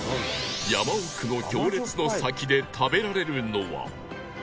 山奥の行列の先で食べられるのは